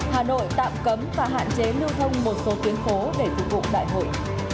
hà nội tạm cấm và hạn chế lưu thông một số tuyến phố để phục vụ đại hội